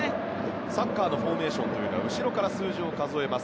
サッカーのフォーメーションというのは後ろから数字を数えます。